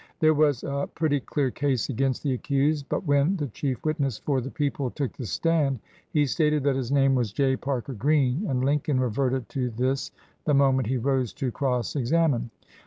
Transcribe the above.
"There was a pretty clear case against the accused, but when the chief witness for the people took the stand, he stated that his name was J. Parker Green, and Lincoln reverted to this the moment he rose to cross examine.